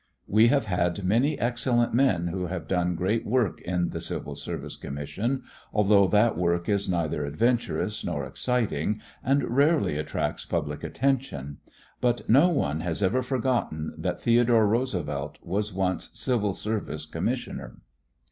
We have had many excellent men who have done good work in the Civil Service Commission, although that work is neither adventurous nor exciting and rarely attracts public attention, but no one has ever forgotten that Theodore Roosevelt was once civil service commissioner.